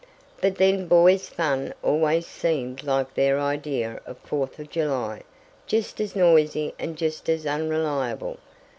But then boys' fun always seemed like their idea of Fourth of July just as noisy and just as unreliable.